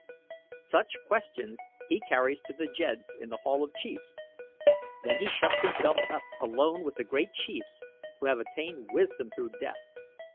Such questions he carries to the jeds in The Hall of Chiefs. There he shuts himself up alone with the great chiefs who have attained wisdom through death.